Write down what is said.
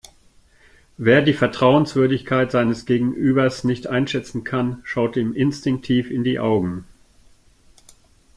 Wer die Vertrauenswürdigkeit seines Gegenübers nicht einschätzen kann, schaut ihm instinktiv in die Augen.